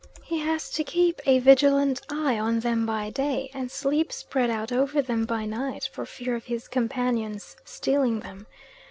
He has to keep a vigilant eye on them by day, and sleep spread out over them by night, for fear of his companions stealing them.